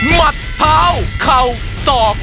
มัดเท้าเข่าศอก